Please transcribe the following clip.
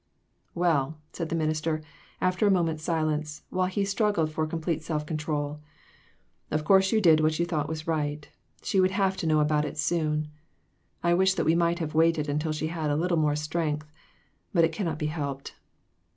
"Well," said the minister, after a moment's silence, while he struggled for complete self control, " of course you did what you thought was right ; she would have to know about it soon. I could wish that we might have waited until she had a little more strength, but it cannot be helped."